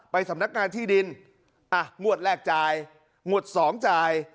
สำนักงานที่ดินอ่ะงวดแรกจ่ายงวดสองจ่าย